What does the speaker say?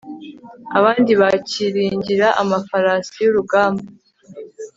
abandi bakiringira amafarasi y'urugamba